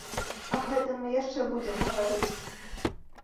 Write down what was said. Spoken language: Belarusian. Аб гэтым мы яшчэ будзем гаварыць.